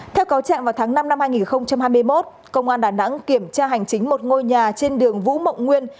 theo cáo trạng vào tháng năm năm hai nghìn hai mươi một công an đà nẵng kiểm tra hành chính một ngôi nhà trên đường vũ mộng nguyên